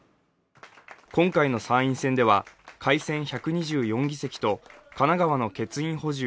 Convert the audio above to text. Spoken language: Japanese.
今回の参院選では改選１２４議席と神奈川の欠員補充